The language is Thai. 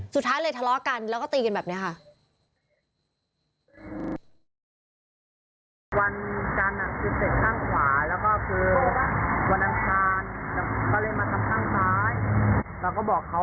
สุดท้ายเลยทะเลาะกันแล้วก็ตีกันแบบนี้ค่ะ